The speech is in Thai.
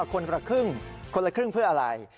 คนละครึ่งคนละครึ่งเพื่ออะไร